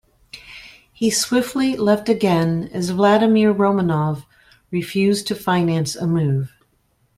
He swiftly left again as Vladimir Romanov refused to finance a move.